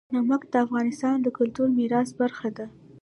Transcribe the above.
نمک د افغانستان د کلتوري میراث برخه ده.